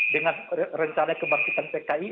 dengan rencana kebangkitan pki